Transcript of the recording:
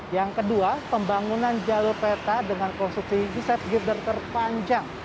yang kedua pembangunan jalur kereta dengan konstruksi yusef gider terpanjang